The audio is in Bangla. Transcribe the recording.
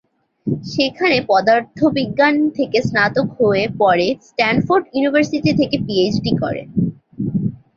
সেখানে পদার্থবিজ্ঞান থেকে স্নাতক হয়ে পরে স্ট্যানফোর্ড ইউনিভার্সিটি থেকে পিএইচডি করেন।